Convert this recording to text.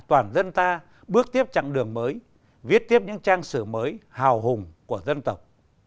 toàn dân ta bước tiếp chặng đường mới viết tiếp những trang sử mới hào hùng của dân tộc